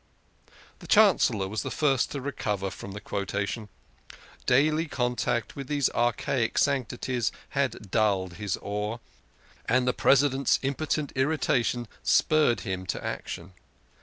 The Chancellor was the first to recover from the quota tion. Daily contact with these archaic sanctities had dulled his awe, and the President's impotent irritation spurred him to action.